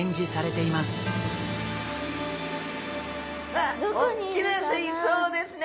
わあ大きな水槽ですね。